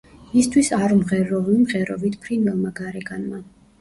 მისთვის არ ვმღერ რომ ვიმღერო ვით ფრინველმა გარეგანმა.